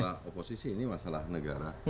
ini bukan masalah oposisi ini masalah negara